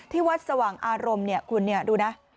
ที่วัดสว่างอารมณ์